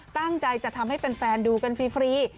ตั้งใจจะทำให้แฟนดูกันฟรี